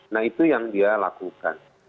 nah itu yang dia lakukan